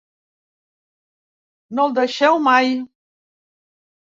No el deixeu mai.